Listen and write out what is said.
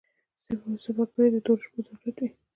څه وګړي د تورو شپو ضرورت وي.